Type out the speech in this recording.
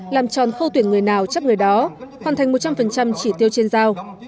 làm tròn khâu tuyển người nào chấp người đó hoàn thành một trăm linh chỉ tiêu trên giao